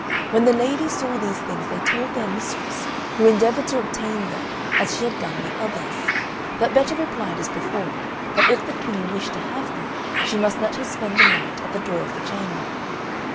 When the ladies saw these things they told their mistress, who endeavoured to obtain them as she had done the others; but Betta replied as before, that if the Queen wished to have them she must let her spend the night at the door of the chamber.